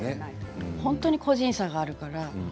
本当に個人差があるから。